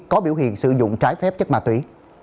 có biểu hiện sử dụng trái phép chất ma túy